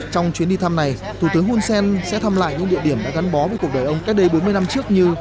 trong chuyến đi thăm này thủ tướng hun sen sẽ thăm lại những địa điểm đã gắn bó với cuộc đời ông cách đây bốn mươi năm trước như